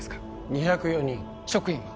２０４人職員は？